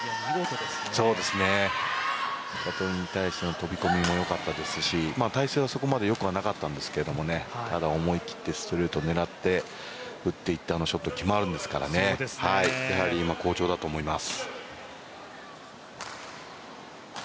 飛び込みもよかったですし、体勢はそこまでよくなかったんですけど思い切ってストレート狙って打っていってショットが決まるのでやはり今、好調だと思います。